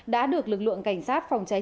đã được lực lượng cảnh sát phòng cháy